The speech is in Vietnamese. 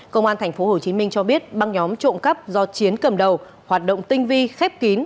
công an tp hcm cho biết băng nhóm trộm cắp do chiến cầm đầu hoạt động tinh vi khép kín